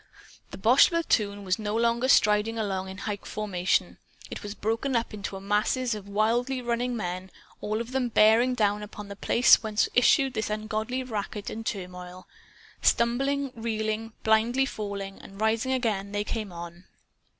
The boche platoon was no longer striding along in hike formation. It was broken up into masses of wildly running men, all of them bearing down upon the place whence issued this ungodly racket and turmoil. Stumbling, reeling, blindly falling and rising again, they came on.